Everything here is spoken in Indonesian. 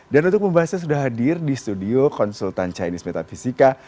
dan untuk pembahasnya sudah hadir di studio konsultan chinese metaphysica